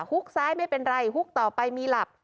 ฮุกซ้ายไม่เป็นไรฮุกต่อไปมีหลับ